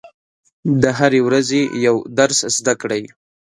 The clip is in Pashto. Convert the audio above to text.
د هرې ورځې یو درس زده کړئ.